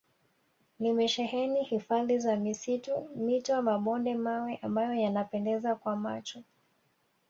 limesheheni hifadhi za misitu mito mabonde mawe ambayo yanapendeza kwa macho